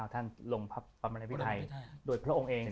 ท่านลงพระบาทบรรยายพิทัยโดยพระองค์เอง